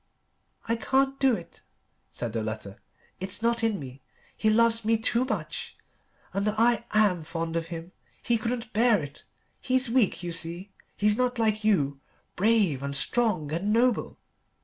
"I can't do it," said the letter, "it's not in me. He loves me too much. And I am fond of him. He couldn't bear it. He's weak, you see. He's not like you brave and strong and noble.